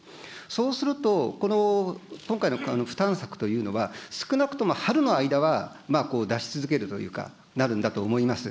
そうすると、今回の負担策というのは、少なくとも春の間は出し続けるというか、なるんだと思います。